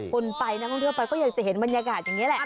คนไปนักท่องเที่ยวไปก็ยังจะเห็นบรรยากาศอย่างนี้แหละ